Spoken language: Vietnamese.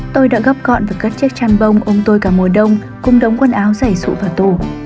tôi đã góp gọn và cất chiếc chăn bông ôm tôi cả mùa đông cùng đống quần áo giải sụ vào tủ